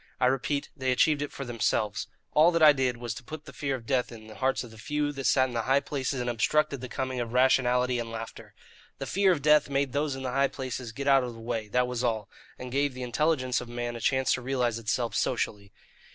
I repeat, they achieved it for themselves. All that I did was to put the fear of death in the hearts of the few that sat in the high places and obstructed the coming of rationality and laughter. The fear of death made those in the high places get out of the way, that was all, and gave the intelligence of man a chance to realize itself socially.